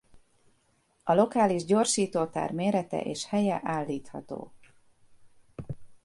A lokális gyorsítótár mérete és helye állítható.